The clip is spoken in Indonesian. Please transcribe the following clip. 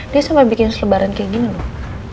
dia suka bikin selebaran kayak gini loh